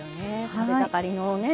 食べ盛りのね